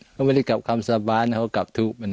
ก็ไม่ได้กลับคำสาบานเขาก็กลับทุกข์